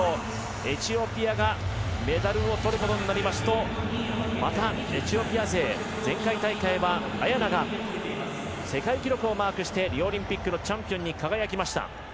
エチオピアがメダルをとることになりますとまたエチオピア勢、前回大会はアヤナが世界記録をマークしてリオオリンピックのチャンピオンに輝きました。